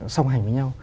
song hành với nhau